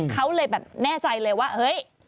เขาเลยแบบแน่ใจเลยว่าเฮ้ย